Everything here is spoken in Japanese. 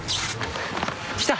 来た。